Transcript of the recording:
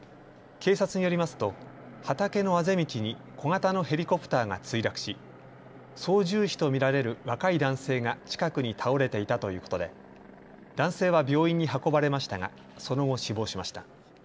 警察によりますと畑のあぜ道に小型のヘリコプターが墜落し操縦士と見られる若い男性が近くに倒れていたということで男性は病院に運ばれましたがその後、死亡しました。